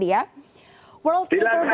terima kasih bang sandi ya